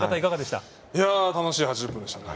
楽しい８０分でしたね。